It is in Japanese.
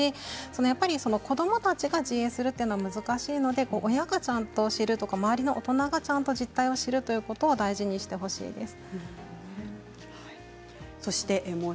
やっぱり子どもたちが自衛するのは難しいので親がちゃんと教える周りの大人が実態を知るということは大事にしてほしいです。